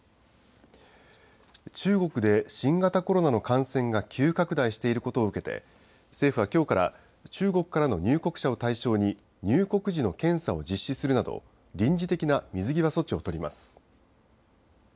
中国で新型コロナの感染が急拡大していることを受けて、政府はきょうから中国からの入国者を対象に、入国時の検査を実施するなど、臨時的な水際措置を取ります。